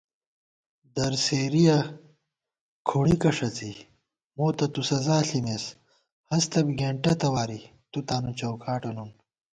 درسېرِیَہ کھُڑِکہ ݭَڅی مو تہ تُو سزا ݪِمېس * ہستہ بی گېنٹہ تواری تُو تانُو چوکاٹہ نُن